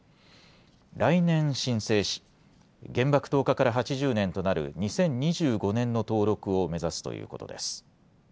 来年申請し、原爆投下から８０年となる２０２５年の登録を目指すということです。